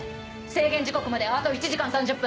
制限時刻まであと１時間３０分。